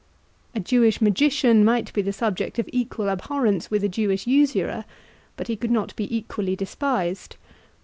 A Jewish magician might be the subject of equal abhorrence with a Jewish usurer, but he could not be equally despised.